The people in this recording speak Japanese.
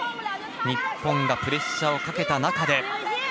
日本がプレッシャーをかけた中で。